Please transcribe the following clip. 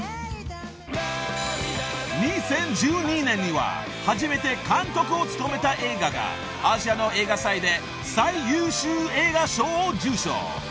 ［２０１２年には初めて監督を務めた映画がアジアの映画祭で最優秀映画賞を受賞］